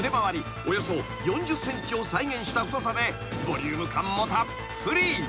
およそ４０ｃｍを再現した太さでボリューム感もたっぷり］